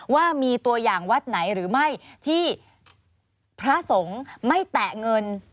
ว่ามีตัวอย่างวัดไหนหรือไม่ที่พระสงฆ์ไม่แตะเงิน